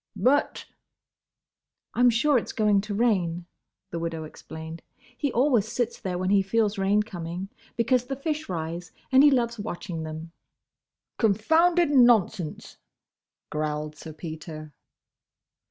"But—!" "I 'm sure it's going to rain," the widow explained. "He always sits there when he feels rain coming; because the fish rise, and he loves watching them." "Confounded nonsense," growled Sir Peter.